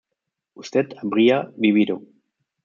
usted habría vivido